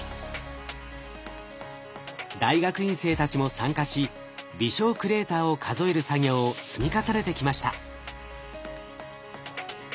大学院生たちも参加し微小クレーターを数える作業を積み重ねてきました。